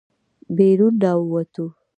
بېرون راووتو.